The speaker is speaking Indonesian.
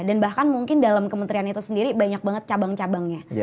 dan bahkan mungkin dalam kementerian itu sendiri banyak banget cabang cabangnya